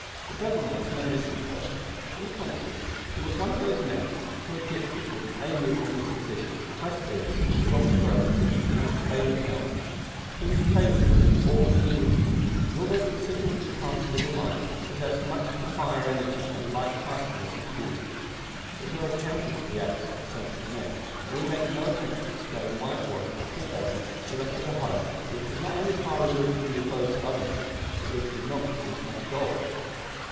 But Bevan was no misanthrope. On the contrary, he was one of those men who are gifted with amiable dispositions, high spirits, strong frames, and unfailing health. He was a favourite with all who knew him, and, although considerably past middle life, possessed much of the fire, energy, and light heartedness of youth. There is no accounting for the acts of eccentric men, and we make no attempt to explain why it was that Paul Bevan selected a home which was not only far removed from the abodes of other men, but which did not produce much gold.